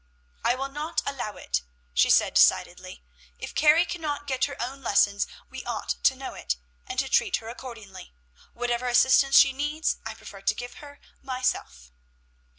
"I will not allow it," she said decidedly. "If Carrie cannot get her own lessons we ought to know it, and to treat her accordingly. Whatever assistance she needs, I prefer to give her myself."